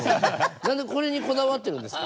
何でこれにこだわってるんですか？